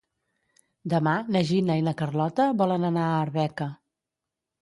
Demà na Gina i na Carlota volen anar a Arbeca.